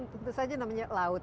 tentu saja namanya laut